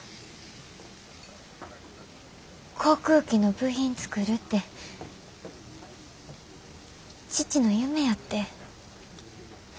航空機の部品作るて父の夢やって。